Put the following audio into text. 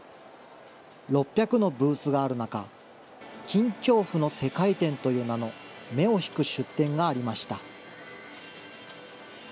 ６００のブースがある中、菌恐怖の世界展という名の目を引く出店がありました。